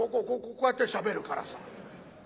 こうこうこうやってしゃべるからさ。